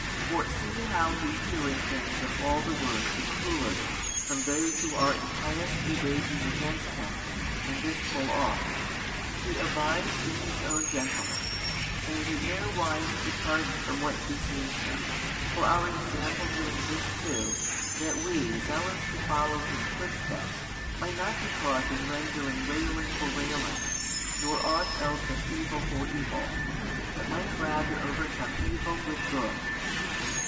For see how He hearing things of all the worst and cruellest from those who are impiously raging against Him (and this full oft) He abides in His own gentleness, and in no wise departs from what beseems Him, for our ensample doing this too, that we zealous to follow His Footsteps might not be caught in rendering railing for railing, nor ought else of evil for evil, but might rather overcome evil with good.